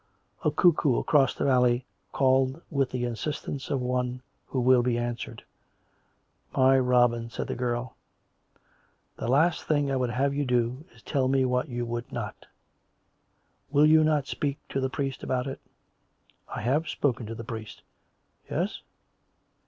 A cuckoo across the valley called with the insistence of one who will be answered. " My Rol)in," said the girl, " the last thing I would have you do is to tell me what you would not. ... Will you not speak to the priest about it.'' "" I have spoken to the priest." "Yes?"